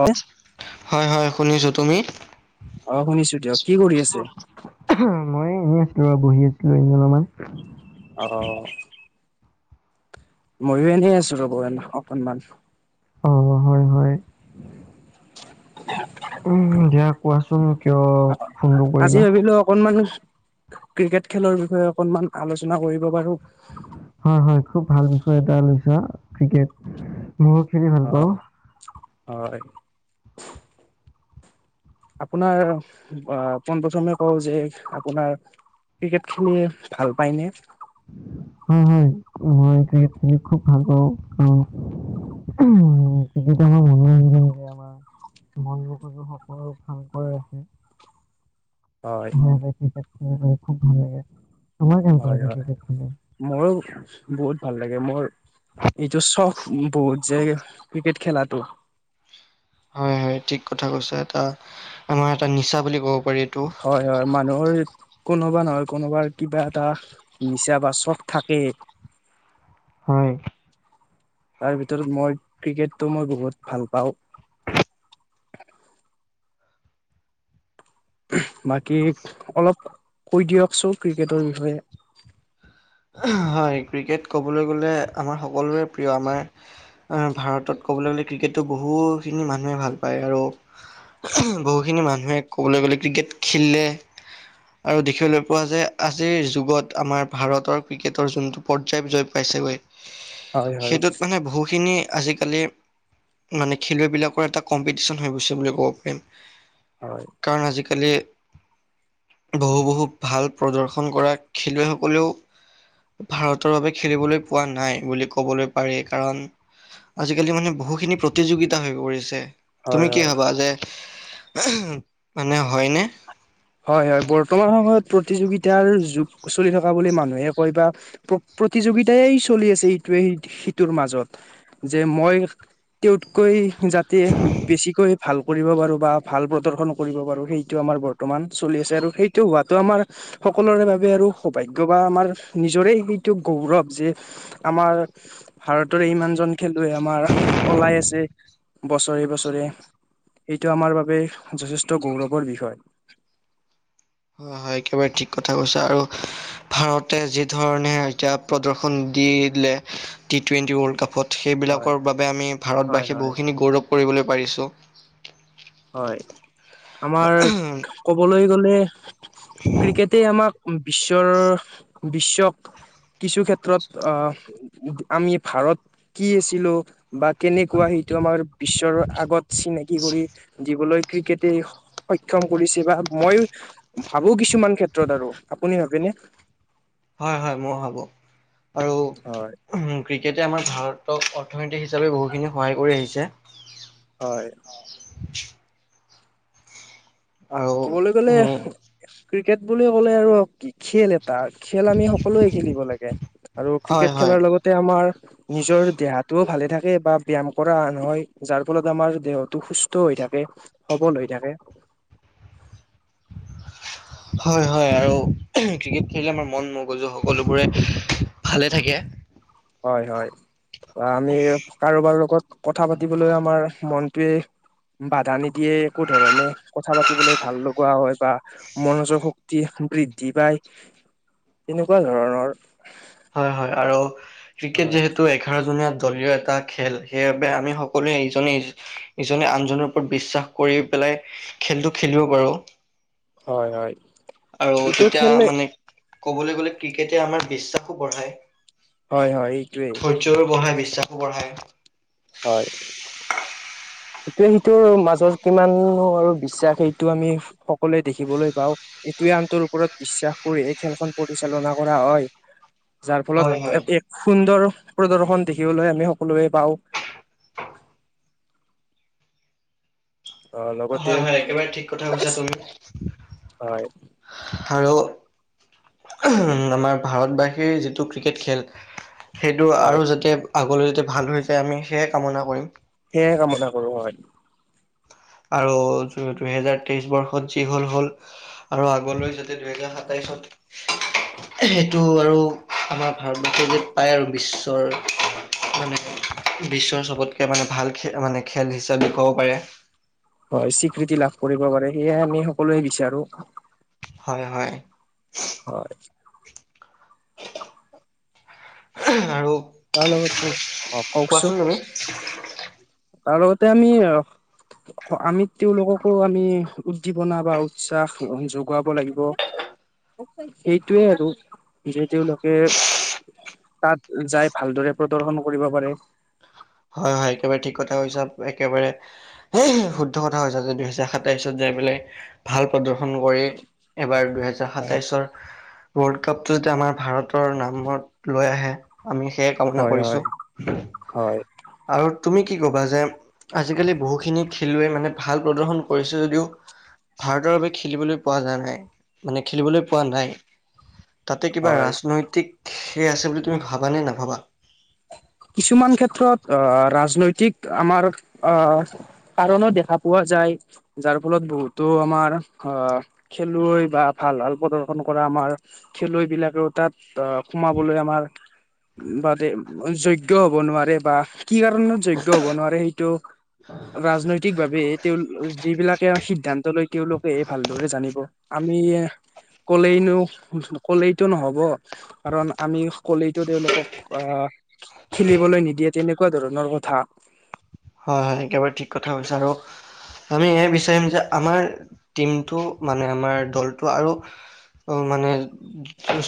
অ হয়-হয় শুনিছোঁ, তুমি? অ শুনিছো দিয়ক কি কৰি আছে? মই এনেই এয়া বহি আছিলো এনে অলপমান। অ। ময়ো এনেই আছো ৰ'ব এন অকণমান। অ হয় হয় উম' দিয়া কোৱাচোন, কিয় ফোনটো আজি কৰিলা? ভাবিলো অকনমান ক্ৰিকেট খেলৰ বিষয়ে অকনমান আলোচনা কৰিব পাৰো। হয়-হয় খুব ভাল বিষয় এটা লৈছো আৰু ক্ৰিকেট। মইয়ো খেলি অ ভাল পাওঁ। হয়। আপোনাৰ আ পোন প্ৰথমে কওঁ যে আপোনাৰ ক্ৰিকেট খেলি ভাল পায়নে? হয়-হয়, মই ক্ৰিকেট খেলি খুব ভাল পাওঁ। কাৰন উম' এইখিতে আমাৰ মনোৰঞ্জন যে আমাৰ মন মগজু সকলো ভালকৈ ৰাখে হয়। অ অ খুব ভাল লাগে তোমাৰ কেনেকুৱা হয় হয় ক্ৰিকেট খেলি মোৰো বহুত ভাল লাগে মোৰ এইটো শখ বহুত যে ক্ৰিকেট খেলাটো হয় হয় ঠিক কথা কৈছ এটা আমাৰ এটা নিচা বুলি ক'ব পাৰি এইটো হয় হয় মানুহৰ কোনোবা নহয় কোনোবাৰ কিবা এটা নিচা বা চখ থাকে হয় তাৰ ভিতৰত মই ক্ৰিকেটটো মই বহুত ভাল পাওঁ বাকী অলপ কৈ দিয়কচোন ক্ৰিকেটৰ বিষয়ে হয় ক্ৰিকেট ক'বলৈ গ'লে আমাৰ সকলোৰে প্ৰিয় আমাৰ ভাৰতত ক'বলৈ গ'লে ক্ৰিকেটটো বহুখিনি মানুহে ভাল পায় আৰু বহুখিনি মানুহে ক'বলৈ গ'লে ক্ৰিকেট খেলিলে আৰু দেখিবলৈ পোৱা যে আজিৰ যুগত আমাৰ ভাৰতৰ ক্ৰিকেটৰ যোন পৰ্যায় জয় পাইছেগৈ হয় হয় সেইটোত মানে বহুখিনি আজিকালি মানে খেলুৱৈবিলাকৰ এটা কম্পিটিশন হৈ গৈছে বুলি ক'ব পাৰিম হয় কাৰণ আজিকা আজিকালি বহু বহু ভাল প্ৰদৰ্শন কৰা খেলুৱৈসকলেও ভাৰতৰ বাবে খেলিবলৈ পোৱা নাই বুলি ক'বলৈ পাৰি কাৰণ আজিকালি মানে বহুখিনি প্ৰতিযোগিতা হৈ পৰিছে হয় তুমি কি হয় হবা যে মানে হয়নে হয় হয় বৰ্তমান সময়ত প্ৰতিযোগিতাৰ যুগ চলি থকা বুলি মানুহে কয় বা প্ৰতিযোগিতায়েই চলি আছে ই ইটোয়ে সিটোৰ মাজত যে মই তেওঁতকৈ যাতে বেছিকৈ ভাল কৰিব পাৰোঁ বা ভাল প্ৰদৰ্শন কৰিব পাৰোঁ সেইটো আমাৰ বৰ্ত বৰ্তমান চলি আছে আৰু সেইটো হোৱাাতটো আমাৰ সকলোৰে বাবে আৰু সৌভাগ্য বা আমাৰ নিজৰে স অ গৌৰৱ যে আমাৰ ভাৰতৰে ইমান জন খেলুৱৈ আমাৰ ওলাই আছে বছৰে বছৰে এইটো আমাৰ বাবে যথেষ্ট গৌৰৱৰ বিষয় হয় হয় একেবাৰে ঠিক কথা কৈছে আৰু ভাৰতে যি ধৰণে এতিয়া প্ৰদৰ্শন দি দিলে টি টুৱেণ্টি ৱৰ্ল্ড কাপত হয় সেইবিলাকৰ বাবে আমি হয় ভাৰতবাসীয়ে হয় বহুখিনি গৌৰৱ কৰিবলৈ পাৰিছোঁ হয় আমাৰ কবলৈ গলে ক্ৰিকেটে আমাক বিশ্বৰ বিশ্বক কিছু ক্ষেত্ৰত আহ আমি ভ ভাৰত কি আছিলো বা কেনেকুৱা সেইটো আমাৰ বিশ্বৰ আগত চিনাকি কৰি ক'বলৈ ক্ৰিকেটে সক্ষম কৰিছে মই ভাবো কিছুমান ক্ষেত্ৰত আৰু আপুনি [unintelligible] হয় হয় মই ভাবো আৰু হয় ক্ৰিকেট এয়া আমাৰ ভাৰতক অৰ্থনীতিক হিচাপে বহুখিনি সহায় কৰি আহিছে হয় আৰু ক'বলৈ গ'লে উম ক্ৰিকেট বুলি ক'লে আৰু কি খেলে তাৰ খেল আমি সকলোৱে খেলিব লাগে আৰু হয় ক্ৰিকেট হয় খেলাৰ লগতে আমাৰ নিজৰ দেহাটো ভালে থাকে বা ব্যায়াম কৰা নহয় যাৰ ফলত আমাৰ দেহটো সুস্থ হৈ থাকে সবল হৈ থাকে [inaudible] হয় হয় আৰু ক্ৰিকেট খেলিলে আমাৰ মন মগজু সকলোবোৰে ভালে থাকে হয় হয় আমি কাৰোবাৰ লগত কথা পাতিবলৈ আমাৰ মনটোৱে বাধা নিদিয়ে একো ধৰণে কথা পাতি পাতিবলৈ ভাল লগোৱা হয় বা মনোজৰ শক্তি বৃদ্ধি পাই তেনেকুৱা ধৰণৰ হয় হয় আৰু ক্ৰিকেট হয় যিহেতু এঘাৰ জনীয়া দলীয় এটা খেল সেইবাবে আমি সকলোৱে ইজনে ইজনে আনজনৰ ওপৰত বিশ্বাস কৰি পেলাই খেলটো খেলিব পাৰো হয় হয় আৰু এইটো তেতিয়া খেলে মানে কবলৈ গলে ক্ৰিকেটে আমাৰ বিশ্বাসো বঢ়ায় হয় হয় এইটোৱে ধৈৰ্যৰো বঢ়ায় বিশ্বাসো বঢ়ায় হয় সেইটোৱে সেইটোৰ মাজৰ কিমান আৰু বিশ্বাস সেইটো আমি সকলোৱে দেখিবলৈ পাওঁ এইটোৱে আনটোৰ ওপৰত বিশ্বাস কৰি এই খেলখন পৰিচালনা কৰা হয় যাৰ হয় হয় ফলত এক সুন্দৰ প্ৰদৰ্শন দেখিবলৈ আমি সকলোৱে পাওঁ আহ লগতে হয় হয় একেবাৰে ঠিক কথা কৈছা তুমি হয় আৰু আমাৰ ভাৰতবাষীৰ যিটো ক্ৰিকেট খেল সেইটো হয় আৰু যাতে আগলৈ যাতে ভাল হৈ যায় আমি সেয়ে কামনা কৰিম সেয়াই কামনা কৰো হয় আৰু দুহেজাৰ তেইশ বৰ্ষত যি হল হল আৰু আগলৈ যাতে দুহেজাৰ সাতাইশ ছত সেইটো আৰু আমাৰ ভাৰতবৰ্ষ যে পায় আৰু বিশ্বৰ মানে বিশ্বৰ চবতকে মানে ভাল মানে খেল হিচাপে ক'ব পাৰে হয় স্বীকৃতি লাভ কৰিব পাৰে সেয়ে আমি সকলোৱে বিচাৰো হয় হয় হয় আৰু তাৰ লগত উ অ কওকচোন কোৱাচোন তুমি তাৰ লগতে আমি আমি তেওঁলোককো আমি উদ্দীপনা বা উৎসাহ যগুৱাব লাগিব সেইটোয়ে আৰু যে তেওঁলোকে তাত যাই ভালদৰে প্ৰদৰ্শন কৰিব পাৰে হয় হয় একেবাৰে ঠিক কথা কৈছা একেবাৰে শুদ্ধ কথা কৈছা যে দুহেজাৰ সাতাইশত যে পাই ভাল প্ৰদৰ্শন কৰে এবাৰ দুহেজাৰ সাতাইশৰ ৱৰ্ল্ড কাপটো যদি আমাৰ ভাৰতৰ নামত লৈ আহে আমি সেয়াই কামনা হয় কৰিছো হয় হয় আৰু তুমি কি ক'বা যে আজিকালি বহুখিনি খেলুৱৈ মানে ভাল প্ৰদৰ্শন কৰিছে যদিও ভাৰতৰ বাবে খেলিবলৈ পোৱা যা নাই মানে খেলিবলৈ পোৱা নাই তাতে কিবা হয়। ৰাজনৈতিক সে আছে বুলি তুমি ভাবা নে নাভাবা। কিছুমান ক্ষেত্ৰত আহ ৰাজনৈতিক আমাৰ আহ কাৰণো দেখা পোৱা যায় যাৰ ফলত বহুতো আমাৰ অ খেলুৱৈ বা ভাল ভাল প্ৰদৰ্শন কৰা আমাৰ খেলুৱৈ বিলাক ত সোমাবলৈ আমাৰ ফালে যোগ্য- হ'ব নোৱাৰে বা কি কাৰণত যোগ্য হ'ব নোৱাৰে সেইটো ৰাজনৈতিক ভাৱে তেওঁ যিবিলাক সিদ্ধান্ত লৈ তেওঁলোকেহে ভালদৰে জানিব আমি- কলেইনো কলেইতটো নহব কাৰণ আমি কলেইটো তেওঁলোকক আহ খেলিবলৈ নিদিয়ে তেনেকুৱা ধৰণৰ কথা হয় হয় একেবাৰে ঠিক কথা হৈছে। আৰু আমি এইয় বিচাৰিম যে আমাৰ- টিমটো মানে আমাৰ দলটো আৰু মানে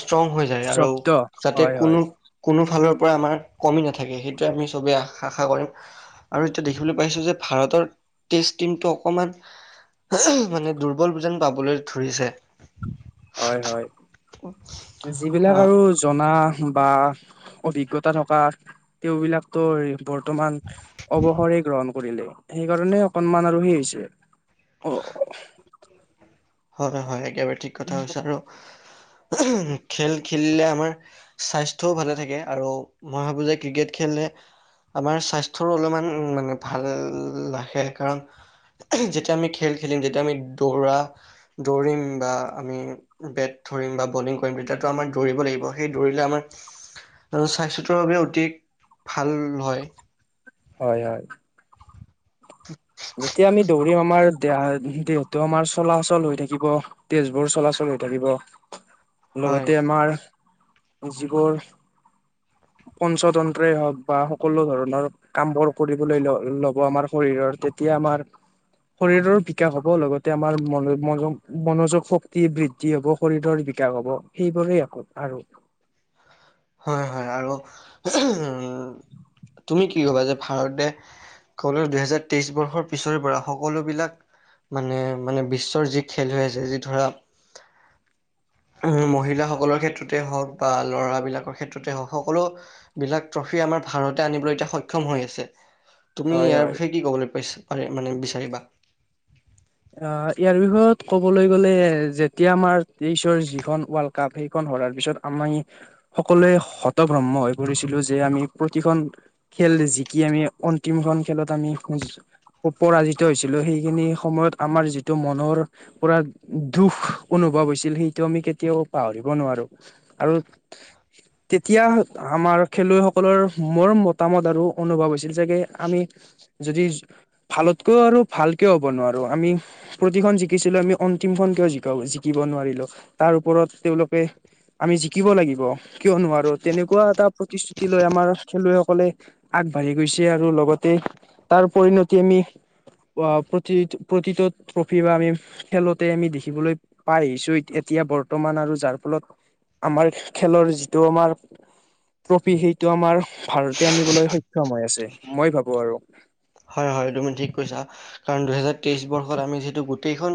ষ্ট্ৰং হৈ যায় আৰু জব্দ যাতে হয় কোনো হয় কোনো ফালৰ পৰা আমাৰ কমি নাথাকে সেইটোৱে আমি চবেই আশা কৰিম। আৰু এতিয়া দেখিবলৈ পাইছোঁ যে ভাৰতৰ টেষ্ট টিমটো অকণমান- মানে দুৰ্বল ব যেন পাবলৈ ধৰিছে হয় হয় যিবিলাক অ আৰু জনা বা অভিজ্ঞতা থকা তেওঁবিলাকতো বৰ্তমান অৱসৰে গ্ৰহণ কৰিলে সেইকাৰণে অকনমান আৰু সেই হৈছে। অ হয় হয় একেবাৰে ঠিক কথা হৈছে। আৰু খেল খেলিলে আমাৰ স্বাস্থ্যও ভালে থাকে আৰু মই ভাবোঁ যে ক্ৰিকেট খেলিলে- আমাৰ স্বাস্থ্যৰো অলপমান মানে ভাল ৰাখে কাৰণ- যেতিয়া আমি খেল খেলিম যেতিয়া আমি দৌৰা দৌৰিম বা আমি বেট ধৰিম বা বলিং কৰিম তেতিয়াতো আমাৰ দৌৰিব লাগিব। সেই দৌৰিলে আমাৰ- স্বাস্থ্যটোৰ বাবে অতি ভাল হয়। হয় হয়। [inaudible] যেতিয়া আমি দৌৰিম আমাৰ দেহা দেহটো আমাৰ চলাচল হৈ থাকিব তেজবোৰ চলাচল হৈ থাকিব হয় লগতে আমাৰ যিবোৰ- হয়। পঞ্চতন্ত্ৰই, হওক বা সকলো ধৰণৰ কামবোৰ কৰিবলৈ ল'ব আমাৰ শৰীৰৰ, - এতিয়া আমাৰ- শৰীৰৰ বিকাশ হব লগতে আমাৰ মনোযোগ শক্তি বৃদ্ধি হব শৰীৰৰ, হ'ব সেইবোৰেই আকৌ আৰু হয় হয়। আৰু উম, তুমি কি ভাবা যে ভাৰতে কলে দুহেজাৰ তেইশ বৰ্ষৰ পিছৰে পৰা সকলোবিলাক- মানে মানে বিশ্বৰ যি খেল হৈ আছে যি ধৰা- উম মহিলাসকলৰ ক্ষেত্ৰতে হওক বা ল'ৰাবিলাক ক্ষেত্ৰতে হ সকলো বিলাক ট্ৰফি আমাৰ ভাৰতে আনিবলৈ এতিয়া সক্ষম হৈ আছে। তুমি হয় ইয়াৰ হয় বিষয়ে কি ক'বলৈ পাৰিছা মানে বিচাৰিবা অ ইয়াৰ বিষয়ত কবলৈ গ'লে যেতিয়া আমাৰ তেইশৰ যিখন ৱৰ্ল্ড কাপ সেইখন- তাৰ পিছত আমি সকলোৱে হতভ্ৰম্ম হৈ পৰিছিলো যে আমি প্ৰতিখন খেল- খেল জিকি আমি অন্তিম খন খেলত আমি পৰাজিত হৈছিলো সেইখিনি সময়ত আমাৰ যিটো মনৰ পুৰা দুখ অনুভৱ হৈছিল সেইটো আমি কেতিয়াও পাহৰিব নোৱাৰো। আৰু তেতিয়া আমাৰ খেলুৱৈসকলৰ মোৰ মতামত আৰু অনুভৱ হৈছিল। যোগে আমি যদি ভালতকেও আৰু ভালকেও হ'ব নোৱাৰো। আৰু আমি প্ৰতিখন জিকিছিলো আমি অন্তিমখন কিয় জিকা জিকিব নোৱাৰিলো তাৰ ওপৰত তেওঁলোক আমি জিকিব লাগিব কিয় নোৱাৰো তেনেকুৱা এটা প্ৰতিশ্ৰুতি লৈ আমাৰ খেলুৱৈসকলে আগবাঢ়ি গৈছে আৰু লগতে তাৰ পৰিণতি আমি আহ প্ৰতি প্ৰতিটো ট্ৰফি বা আমি খেলতে আমি দেখিবলৈ পাই আহিছোঁ এতিয়া বৰ্তমান আৰু যাৰ ল আমাৰ খেলৰ যিটো আমাৰ ট্ৰফি সেইটো আমাৰ ভাৰতে আনিবলৈ সক্ষম হৈ আছে মই ভাবো আৰু হয় হয় তুম ঠিক কৈছা কাৰণ দুহজাৰ তেইশ বৰ্ষত আমি যিটো গোটেই খন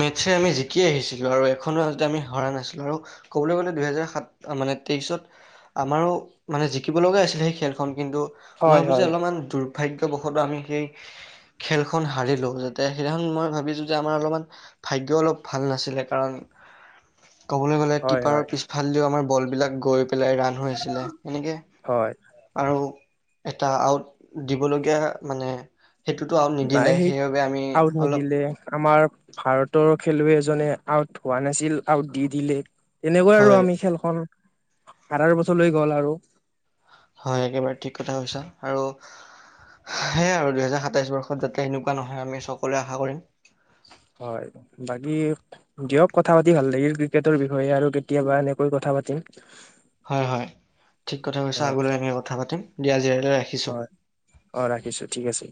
মেটচ আমি জিকি আহিছিলোঁ আৰু এখনো আ আমি হৰা নাছিলো আৰু ক'বলৈ গ'লে দুহেজাৰ সাত মানে তেইছত আমাৰো মানে জিকিব লগা আছিলে সেই খেলখন কিন্তু মই হয় ভাবোঁ যে হয় অলপমান দুৰ্ভাগ্য বসত আমি সেই খেলখন হাৰিলো যাতে সেইদিনাখন মই ভাবিছো যে আমাৰ অলপমান ভ এতিয়া অলপ ভাল নাছিলে কাৰণ উ ক'বলৈ গ'লে কিপাৰৰ পিছফালেদিও আমাৰ বলবিলাক গৈ ৰাণ হৈ আছিলে, হয় আৰু এটা আউট দি মানে সেইটোতো নাই নিদিলে সেই সেইবাবে আমি আউট অলপ নিদিলে আমাৰ ভাৰতৰ খেলুৱৈ এজনে আউট হোৱা নাছিল আউট দি দিলে। তেনেকুৱাই আৰু হয় আমি খেলখন সাতাৰ বছৰ গ'ল আৰু হয় একেবাৰে ঠিক কথা কৈছা আৰু সেইয়াই আৰু দুহেজাৰ সাতাইশ বৰ্ষত যাতে এনেকুৱা নহয় আমি সকলোৱে আশা কৰিম। হয় বাকী দিয়ক কথা পাতি ভাল লাগিল ক্ৰিকেটৰ বিষয়ে আৰু কেতিয়াবা এনেকৈ কথা পাতি হয় হয়, ঠিক কথা কৈছা আগলৈ এনেকৈ কথা পাতিম, দিয়া আজিলৈ ৰাখিছোঁ। হয় অ ৰাখিছো ঠিক আছে